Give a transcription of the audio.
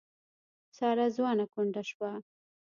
ساره ځوانه کونډه شوه.